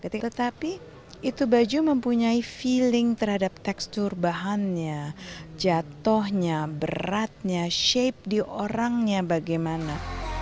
tetapi itu baju mempunyai feeling terhadap tekstur bahannya jatuhnya beratnya shape di orangnya bagaimana